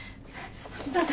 どうぞ。